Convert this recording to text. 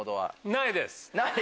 ないです。